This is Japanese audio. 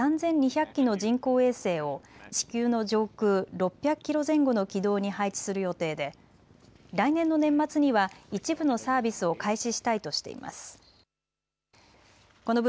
計画では２０２９年までにおよそ３２００基の人工衛星を地球の上空６００キロ前後の軌道に配置する予定で来年の年末には一部のサービスを開始したいとしています。